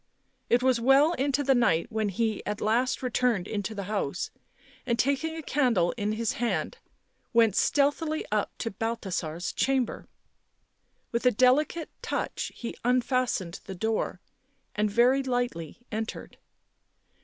It was well into the night when he at last returned into the house, and, taking a candle in his hand, went stealthily up to Balthasar's chamber. With a delicate touch he unfastened the door, and very lightly entered.